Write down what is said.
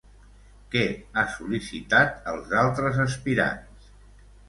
Què ha sol·licitat als altres aspirants?